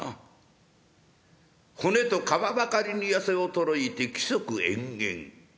骨と皮ばかりに痩せ衰えて気息奄々。